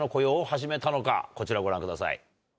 こちらをご覧ください。